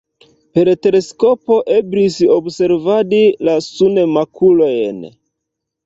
Per teleskopo eblis observadi la sunmakulojn.